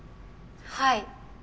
はい。